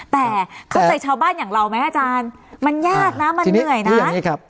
แต่เข้าใจชาวบ้านอย่างเราไหมอาจารย์มันยากนะมันเหนื่อยนะใช่ครับ